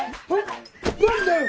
何だよ！？